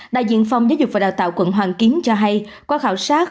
đại diện phòng giáo dục và đào tạo quận hoàng kiến cho hay qua khảo sát